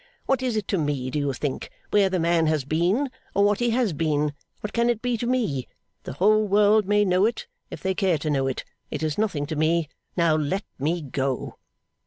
What is it to me, do you think, where the man has been, or what he has been? What can it be to me? The whole world may know it, if they care to know it; it is nothing to me. Now, let me go.